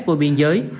của biên giới